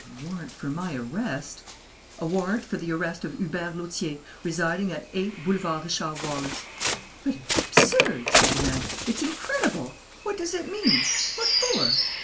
"A warrant for my arrest?" "A warrant for the arrest of Hubert Lautier, residing at 8 Boulevard Richard Wallace." "But it's absurd!" said the man. "It's incredible! What does it mean? What for?"